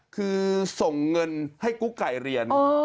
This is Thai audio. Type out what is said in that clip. คือส่งเงินให้กุ๊กไก่เรียน